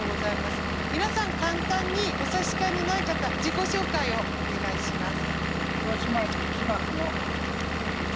皆さん簡単にお差し支えのない方自己紹介をお願いします。